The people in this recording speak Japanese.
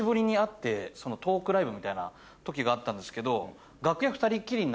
トークライブみたいな時があったんですけど。